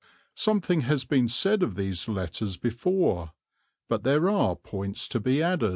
Something has been said of these letters before, but there are points to be added.